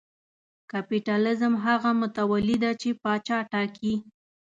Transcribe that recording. کاپیتالېزم هغه متولي دی چې پاچا ټاکي.